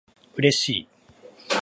嬉しい